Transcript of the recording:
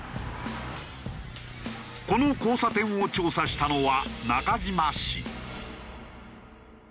この交差点を調査したのは中島氏。